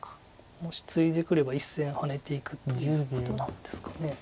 もしツイでくれば１線ハネていくということなんですかね。